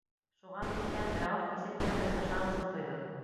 Шуғамы икән, Рәүеф нисектер үҙен ышаныслы тойҙо.